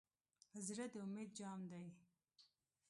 زړه د امید جام دی.